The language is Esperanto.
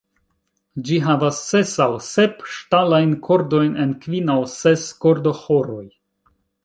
Ĝi havas ses aŭ sep ŝtalajn kordojn en kvin aŭ ses kordoĥoroj.